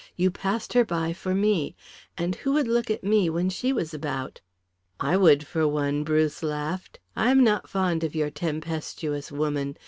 You passed her by for me. And who would look at me when she was about?" "I would for one," Bruce laughed. "I am not fond of your tempestuous woman.